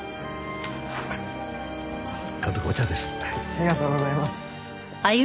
ありがとうございます。